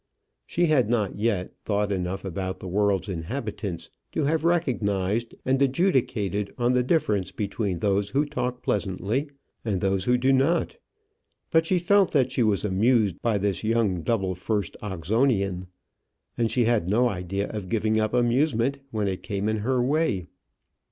She had not yet thought enough about the world's inhabitants to have recognized and adjudicated on the difference between those who talk pleasantly and those who do not; but she felt that she was amused by this young double first Oxonian, and she had no idea of giving up amusement when it came in her way.